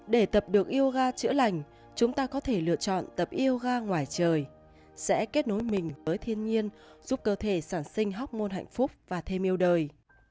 để tập được yoga chữa lành chúng ta có thể lựa chọn tập yêu ga ngoài trời sẽ kết nối mình với thiên nhiên giúp cơ thể sản sinh hóc môn hạnh phúc và thêm yêu đời